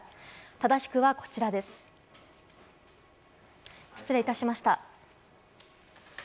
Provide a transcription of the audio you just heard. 正しくはこちらです、失礼いたしました。